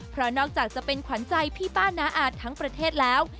เพราะนอกจากจะเป็นขวัญใจพี่ป้าน้าอาจทั้งประเทศแล้ว